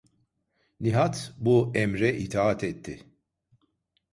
Nihat bu emre itaat etti.